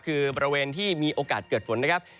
คือบริเวณที่มีโอกาสเกิดฝนนะครับ